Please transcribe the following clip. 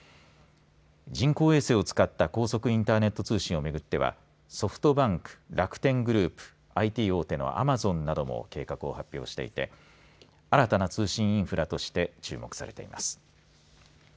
人工衛星を使った高速インターネット通信をめぐってはソフトバンク、楽天グループＩＴ大手のアマゾンなども計画を発表していて新たな通信インフラとして注目されています。